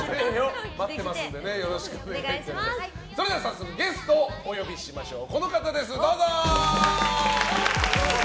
それでは早速、ゲストをお呼びしましょう。